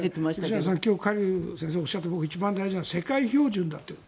吉永さん、今日カ・リュウ先生がおっしゃったので一番大事なのは世界標準だということ。